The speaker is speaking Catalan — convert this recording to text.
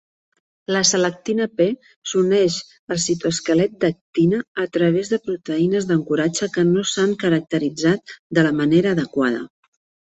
La selectina P s'uneix al citoesquelet d'actina a través de proteïnes d'ancoratge que no s'han caracteritzat de la manera adequada.